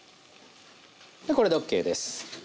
これでＯＫです。